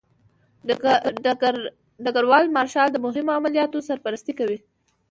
ډګر مارشال د مهمو عملیاتو سرپرستي کوي.